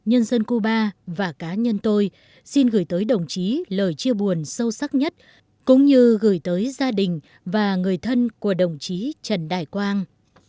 nhân dân cuba và cá nhân tôi xin gửi tới đồng chí lời chia buồn sâu sắc nhất cũng như gửi tới gia đình và người thân của đồng chí trần đại quang